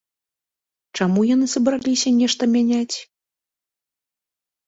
Чаму яны сабраліся нешта мяняць?